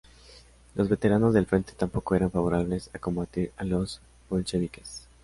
Los veteranos del frente tampoco eran favorables a combatir a los bolcheviques.